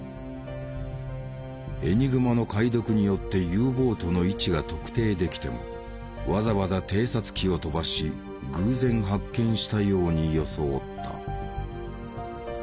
エニグマの解読によってＵボートの位置が特定できてもわざわざ偵察機を飛ばし偶然発見したように装った。